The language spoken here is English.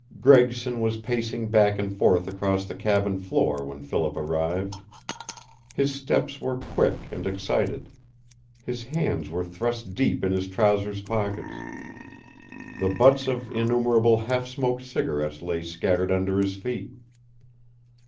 Gregson was pacing back and forth across the cabin floor when Philip arrived. His steps were quick and excited. His hands were thrust deep in his trousers pockets. The butts of innumerable half smoked cigarettes lay scattered under his feet.